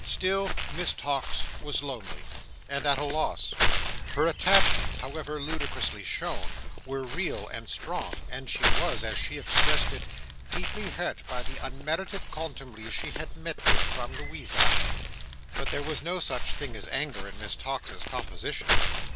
Still, Miss Tox was lonely, and at a loss. Her attachments, however ludicrously shown, were real and strong; and she was, as she expressed it, "deeply hurt by the unmerited contumely she had met with from Louisa." But there was no such thing as anger in Miss Tox's composition.